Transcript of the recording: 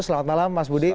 selamat malam mas budi